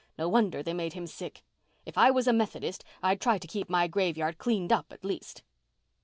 No wonder they made him sick. If I was a Methodist I'd try to keep my graveyard cleaned up at least."